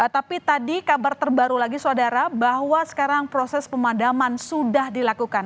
tapi tadi kabar terbaru lagi saudara bahwa sekarang proses pemadaman sudah dilakukan